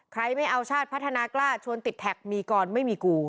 ไม่เอาชาติพัฒนากล้าชวนติดแท็กมีกรไม่มีกู